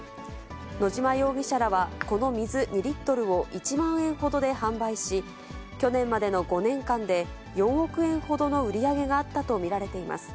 野島容疑者らは、この水２リットルを１万円ほどで販売し、去年までの５年間で４億円ほどの売り上げがあったと見られています。